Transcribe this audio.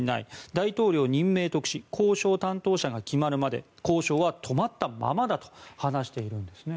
大統領任命特使交渉担当者が決まるまで交渉は止まったままだと話しているんですね。